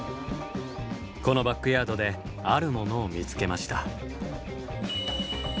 このバックヤードであるものを見つけました。